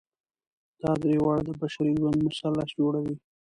دا درې واړه د بشري ژوند مثلث جوړوي.